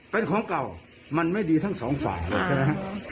เป็นของเก่ามันไม่ดีทั้งสองฝ่ายเลยใช่ไหมฮะ